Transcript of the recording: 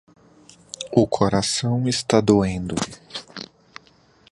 O coração está doendo.